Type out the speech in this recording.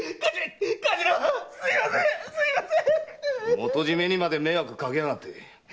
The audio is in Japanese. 元締にまで迷惑かけやがって。